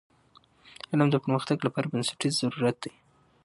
علم د پرمختګ لپاره بنسټیز ضرورت دی.